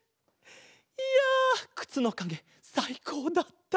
いやくつのかげさいこうだった！